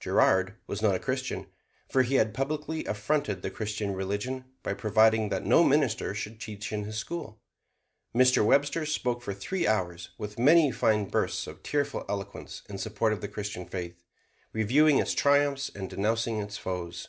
Girard was not a Christian, for he had publicly affronted the Christian religion by providing that no minister should teach in his school. Mr. Webster spoke for three hours with many fine bursts of tearful eloquence in support of the Christian faith, reviewing its triumphs and denouncing its foes.